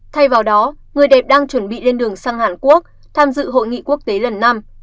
thay vào đó người đẹp đang chuẩn bị lên đường sang hàn quốc tham dự hội nghị quốc tế lần năm